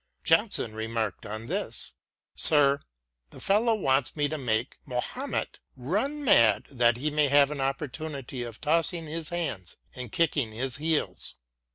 Johnson re marked on this :" Sir, the fellow wants me to make ' Mahomet ' rim mad that he may have an opportunity of tossing his hands and kicking his heels."